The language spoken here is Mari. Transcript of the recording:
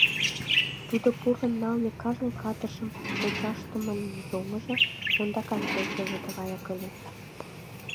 Тудо пурлын налме кажне катышым мучашдымын йоҥыжо, ондакат койышыжо тыгаяк ыле.